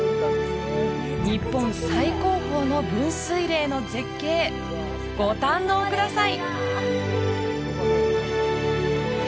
日本最高峰の分水嶺の絶景ご堪能ください！